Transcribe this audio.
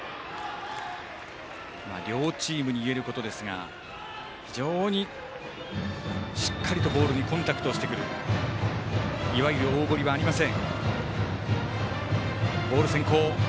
両チームにいえることですが非常にしっかりとボールにコンタクトをしてくるいわゆる大振りはありません。